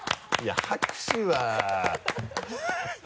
拍手は